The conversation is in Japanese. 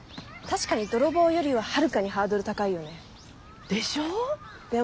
確かに泥棒よりははるかにハードル高いよね。